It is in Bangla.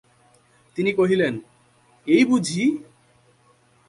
তিনি কহিলেন, এই বুঝি!